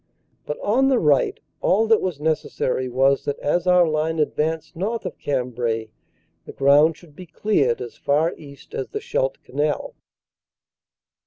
But on the right all that was necessary was that as our line advanced north of Cambrai, the ground should be cleared as far east as the Scheldt Canal.